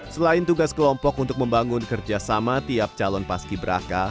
selain tugas kelompok untuk membangun kerjasama tiap calon paski beraka